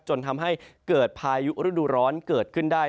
จนทำให้เกิดพายุฤดูร้อนเกิดขึ้นได้